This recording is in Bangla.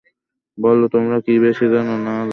বল তোমরা কি বেশি জান, না আল্লাহ?